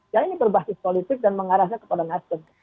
ya ini berbasis politik dan mengarahnya kepada nasdem